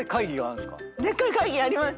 でっかい会議あります。